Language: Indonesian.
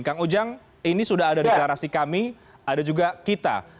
kang ujang ini sudah ada deklarasi kami ada juga kita